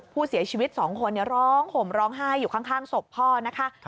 ผู้เสียชีวิต๒คนร้องห่มร้องไห้อยู่ข้างศพพ่อนะคะ